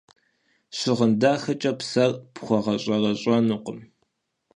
Щыгъын дахэкӏэ псэр пхуэгъэщӏэрэщӏэнукъым.